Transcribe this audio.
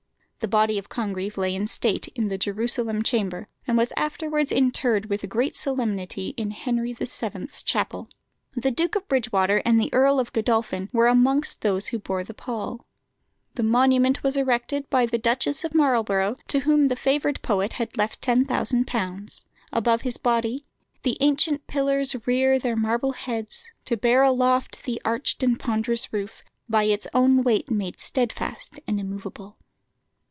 The body of Congreve lay in state in the Jerusalem Chamber, and was afterwards interred with great solemnity in Henry VII.'s Chapel. The Duke of Bridgewater and the Earl of Godolphin were amongst those who bore the pall. The monument was erected by the Duchess of Marlborough, to whom the favoured poet had left £10,000. Above his body "The ancient pillars rear their marble heads To bear aloft the arch'd and pond'rous roof, By its own weight made steadfast and immoveable."